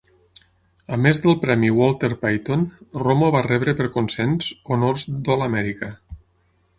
A més del premi Walter Payton, Romo va rebre per consens honors d'All-America.